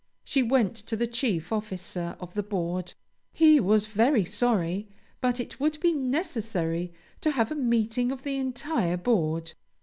She went to the chief officer of the board. He was very sorry, but it would be necessary to have a meeting of the entire board.